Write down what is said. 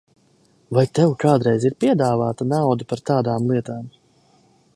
Vai tev kādreiz ir piedāvāta nauda par tādām lietām?